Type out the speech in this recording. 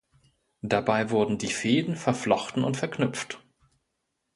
Dabei wurden die Fäden verflochten und verknüpft.